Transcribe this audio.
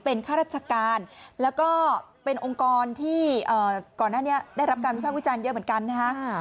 เป็นข้าราชการแล้วก็เป็นองค์กรที่ก่อนหน้านี้ได้รับการวิภาควิจารณ์เยอะเหมือนกันนะฮะ